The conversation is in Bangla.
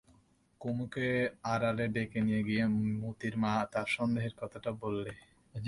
কুমুকে আড়ালে ডেকে নিয়ে গিয়ে মোতির মা তার সন্দেহের কথাটা বললে।